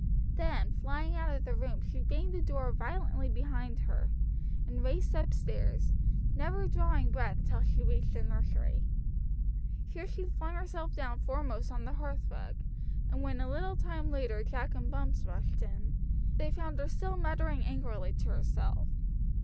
Then flying out of the room she banged the door violently behind her, and raced up stairs, never drawing breath till she reached the nursery. Here she flung herself down face foremost on the hearthrug, and when a little time later Jack and Bumps rushed in, they found her still muttering angrily to herself.